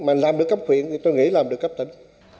mà làm được cấp huyện thì tôi nghĩ làm được cấp tỉnh